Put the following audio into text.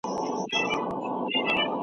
چي شاعر وي چي کتاب وي چي سارنګ وي چي رباب وي